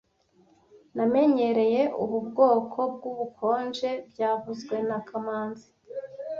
Namenyereye ubu bwoko bwubukonje byavuzwe na kamanzi